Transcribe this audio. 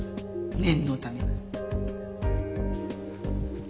念のため。